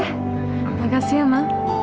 terima kasih ya ma